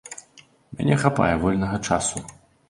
У мяне хапае вольнага часу.